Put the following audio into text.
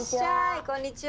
こんにちは。